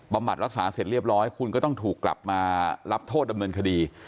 บัดรักษาเสร็จเรียบร้อยคุณก็ต้องถูกกลับมารับโทษดำเนินคดี